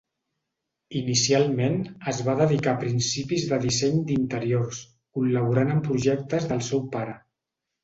Inicialment es va dedicar a principis de disseny d'interiors, col·laborant en projectes del seu pare.